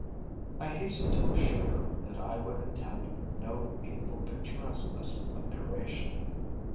I hastened to assure her that I would attempt no hateful picturesqueness of narration.